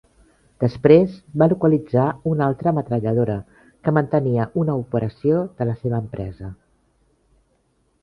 Després va localitzar una altra metralladora que mantenia una operació de la seva empresa.